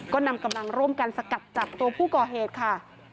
ก็นำกำลังร่วมกันสกัดจับตัวผู้ก่อเหตุค่ะ